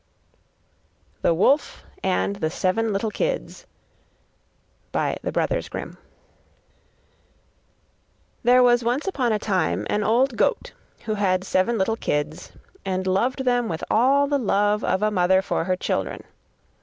THE WOLF AND THE SEVEN LITTLE KIDS There was once upon a time an old goat who had seven little kids, and loved them with all the love of a mother for her children.